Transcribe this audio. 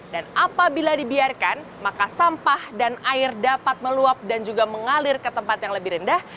dan apabila dibiarkan maka sampah dan air dapat meluap dan juga mengalir ke tempat yang lebih rendah